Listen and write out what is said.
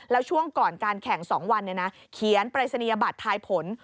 แล้วช่วงก่อนการแข่ง๒วันเขียนปรายศนียบัตรทายผล